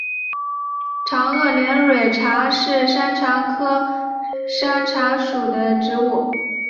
长萼连蕊茶是山茶科山茶属的植物。